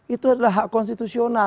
itu adalah hak konstitusional